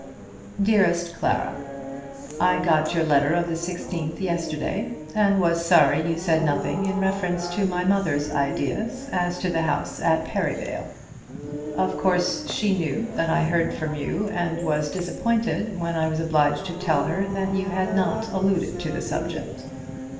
DEAREST CLARA, I got your letter of the 16th yesterday, and was sorry you said nothing in reference to my mother's ideas as to the house at Perivale. Of course she knew that I heard from you, and was disappointed when I was obliged to tell her that you had not alluded to the subject.